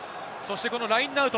ラインアウト。